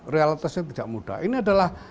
realitasnya tidak mudah